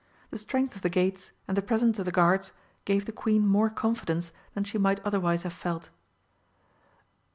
The strength of the gates and the presence of the guards gave the Queen more confidence than she might otherwise have felt.